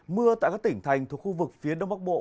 mưa tại các tỉnh thành thuộc khu vực phía đông bắc bộ